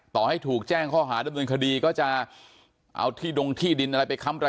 ต่อให้ถูกแจ้งข้อหาดำเนินคดีก็จะเอาที่ดงที่ดินอะไรไปค้ำระ